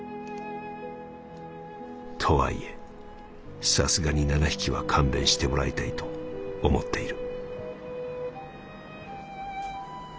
とはいえさすがに七匹は勘弁してもらいたいと思っている」。